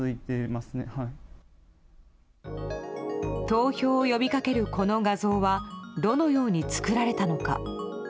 投票を呼び掛けるこの画像はどのように作られたのか。